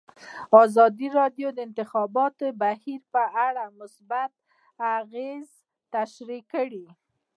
ازادي راډیو د د انتخاباتو بهیر په اړه مثبت اغېزې تشریح کړي.